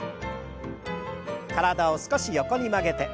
体を少し横に曲げて。